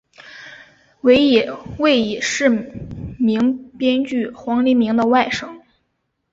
为已逝名编剧黄黎明的外甥。